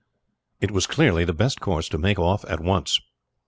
It was clearly the best course to make off at once.